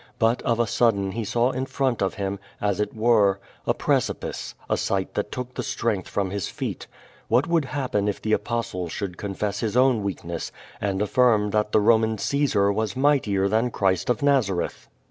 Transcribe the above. But of a sudden he saw in front of him, as it were, a precipice, a sight that took the strength from his feet. What would happen if the Apostle should confess his own weakness, and alHrm that the Roman Caesar was mightier than Christ of Xazareth?